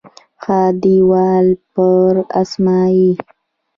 ها دیوال پر اسمایي